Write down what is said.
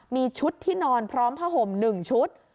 มีชุดที่นอนพร้อมผ้าห่ม๑ชุด